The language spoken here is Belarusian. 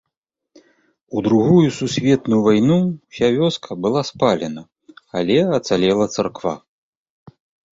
У другую сусветную вайну ўся вёска была спалена, але ацалела царква.